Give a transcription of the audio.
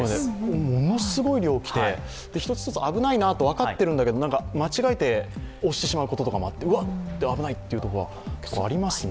ものすごい量来て、一つ一つ危ないなと分かってるんだけれども間違えて押してしまうこととかもあってうわっ、危ないってことも結構ありますね。